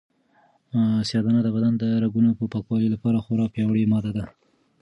سیاه دانه د بدن د رګونو د پاکوالي لپاره خورا پیاوړې ماده ده.